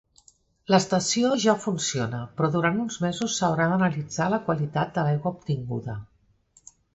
L'estació ja funciona, però durant uns mesos s'haurà d'analitzar la qualitat de l'aigua obtinguda.